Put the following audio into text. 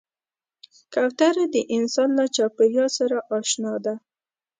کوتره د انسان له چاپېریال سره اشنا ده.